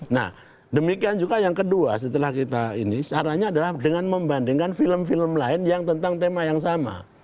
nah demikian juga yang kedua setelah kita ini caranya adalah dengan membandingkan film film lain yang tentang tema yang sama